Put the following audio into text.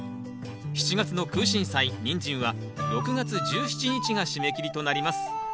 ７月の「クウシンサイ」「ニンジン」は６月１７日が締め切りとなります。